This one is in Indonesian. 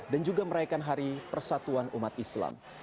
dan juga merayakan hari persatuan umat islam